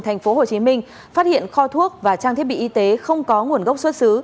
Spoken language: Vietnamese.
thành phố hồ chí minh phát hiện kho thuốc và trang thiết bị y tế không có nguồn gốc xuất xứ